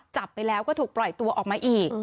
จับไปแล้วก็ถูกปล่อยตัวออกมาอีก